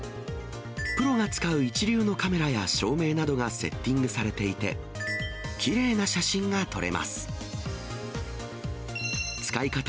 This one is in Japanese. プロが使う一流のカメラや照明などがセッティングされていて、きれいな写真が撮れます。